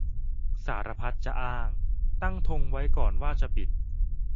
สารพัดจะอ้าง - ตั้งธงไว้ก่อนว่าจะปิด